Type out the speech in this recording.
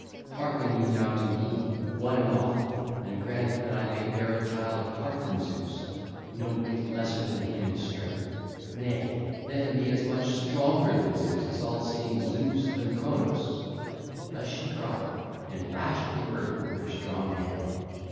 Harken you now to me, one and all, and grant that I may bear a child apart from Zeus, no wit lesser than him in strength—nay, let him be as much stronger than Zeus as all seeing Zeus than Cronos.' Thus she cried and lashed the earth with her strong hand.